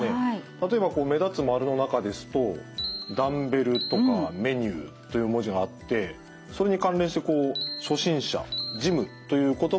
例えば目立つ丸の中ですと「ダンベル」とか「メニュー」という文字があってそれに関連して「初心者」「ジム」という言葉もね